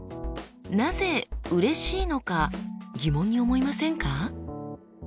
なぜうれしいのか疑問に思いませんか？